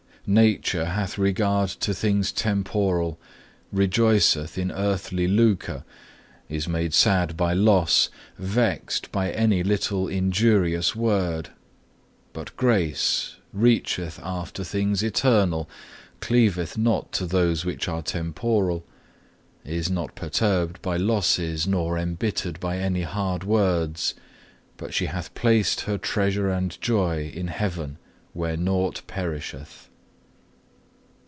9. "Nature hath regard to things temporal, rejoiceth in earthly lucre, is made sad by loss, vexed by any little injurious word; but Grace reacheth after things eternal, cleaveth not to those which are temporal, is not perturbed by losses, nor embittered by any hard words, because she hath placed her treasure and joy in heaven where nought perisheth.